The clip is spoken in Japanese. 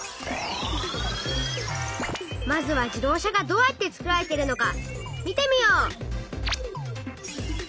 まずは自動車がどうやってつくられているのか見てみよう！